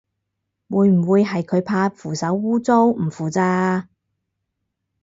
會唔會係佢怕扶手污糟唔扶咋